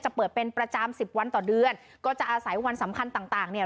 เปิดเป็นประจำสิบวันต่อเดือนก็จะอาศัยวันสำคัญต่างต่างเนี่ย